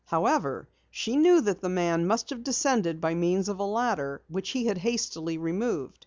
However, she knew that the man must have descended by means of a ladder which he had hastily removed.